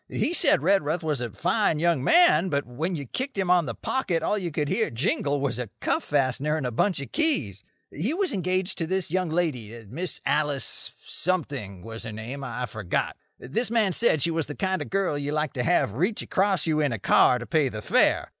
He said Redruth was a fine young man, but when you kicked him on the pocket all you could hear jingle was a cuff fastener and a bunch of keys. He was engaged to this young lady—Miss Alice— something was her name; I've forgot. This man said she was the kind of girl you like to have reach across you in a car to pay the fare.